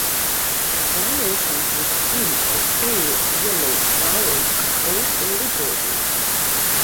Variants with cream or pale yellow flowers are also reported.